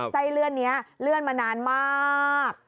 ไส้เลื่อนนี้เลื่อนมานานมาก